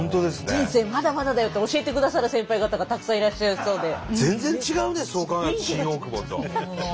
人生まだまだだよって教えてくださる先輩方がたくさんいらっしゃりそうで。